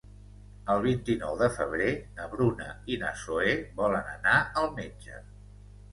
El vint-i-nou de febrer na Bruna i na Zoè volen anar al metge.